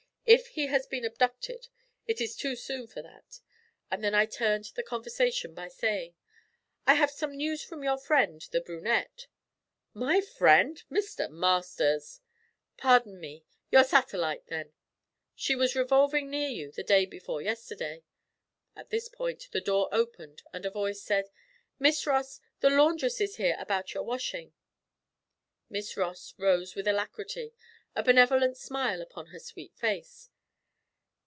'If he has been abducted, it is too soon for that,' and then I turned the conversation by saying: 'I have some news from your friend, the brunette.' 'My friend! Mr. Masters!' 'Pardon me; your satellite, then. She was revolving near you the day before yesterday.' At this point the door opened and a voice said: 'Miss Ross, the laundress is here about your washing.' Miss Ross rose with alacrity, a benevolent smile upon her sweet face.